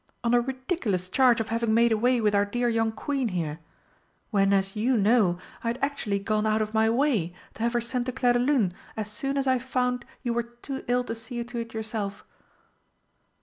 on a ridiculous charge of having made away with our dear young Queen here! When, as you know, I had actually gone out of my way to have her sent to Clairdelune as soon as I found you were too ill to see to it yourself."